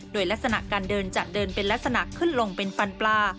โดยลักษณะการเดินจะเดินเป็นลักษณะขึ้นลงเป็นฟันปลา